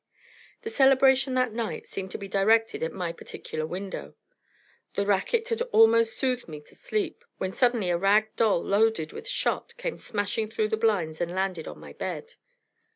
The celebration that night seemed to be directed at my particular window. The racket had almost soothed me to sleep, when suddenly a rag doll loaded with shot came smashing through the blinds and landed on my bed.